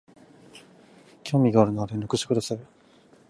興味があるなら連絡してください